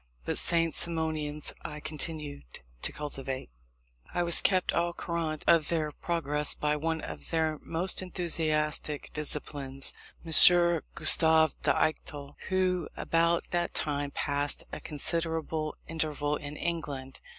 But the St. Simonians I continued to cultivate. I was kept au courant of their progress by one of their most enthusiastic disciples, M. Gustave d'Eichthal, who about that time passed a considerable interval in England.